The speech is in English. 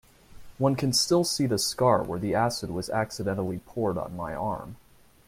One can still see the scar where the acid was accidentally poured on my arm.